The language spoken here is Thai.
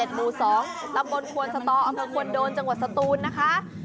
ดาราปาเตะนะคะเลขที่๑๖๗มู๒ตำบลควรสตอควรโดนจังหวัดสตูนนะคะ